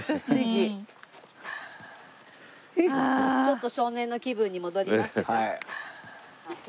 ちょっと少年の気分に戻りましたか？